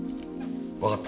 わかった。